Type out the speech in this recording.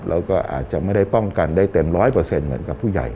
แล้วก็อาจจะไม่ได้ป้องกันได้เต็ม๑๐๐เหมือนกับผู้ใหญ่